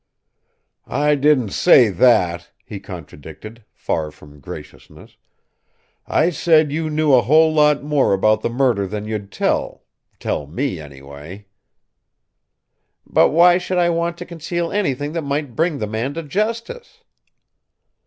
"I didn't say that," he contradicted, far from graciousness. "I said you knew a whole lot more about the murder than you'd tell tell me anyway." "But why should I want to conceal anything that might bring the man to justice?"